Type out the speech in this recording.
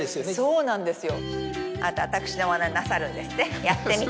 そうなんですよ。